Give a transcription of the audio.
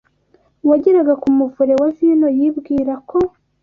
uwageraga ku muvure wa vino yibwira ko